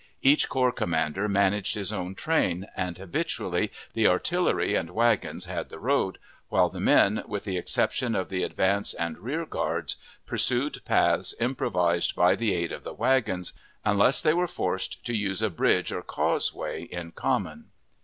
Each corps commander managed his own train; and habitually the artillery and wagons had the road, while the men, with the exception of the advance and rear guards, pursued paths improvised by the aide of the wagons, unless they were forced to use a bridge or causeway in common.